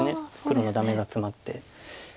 黒のダメがツマって。